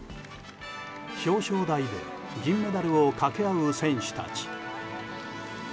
表彰台で銀メダルをかけ合う選手たち。